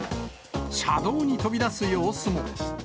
車道に飛び出す様子も。